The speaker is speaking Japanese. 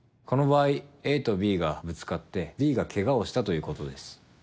この場合ＡとＢがぶつかってＢがケガをしたということです。